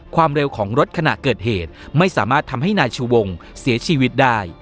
ความเร็วของรถขณะเกิดเหตุไม่สามารถทำให้นายชูวงเสียชีวิตได้